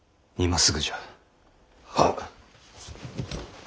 はっ。